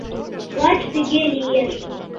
Лач тыге лиеш